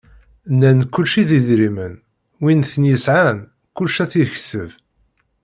Nnan kulci d idrimen, wi ten-yesεan kullec ad t-yekseb.